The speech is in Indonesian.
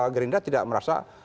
gerindra tidak merasa